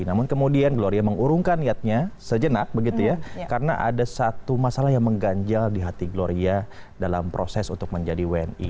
namun kemudian gloria mengurungkan niatnya sejenak begitu ya karena ada satu masalah yang mengganjal di hati gloria dalam proses untuk menjadi wni